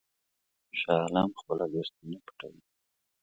شاه عالم خپله دوستي نه پټوي.